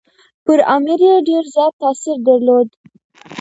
پر امیر یې ډېر زیات تاثیر درلود.